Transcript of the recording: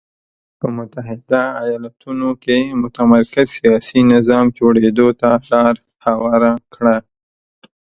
په متحده ایالتونو کې متمرکز سیاسي نظام جوړېدو ته لار هواره کړه.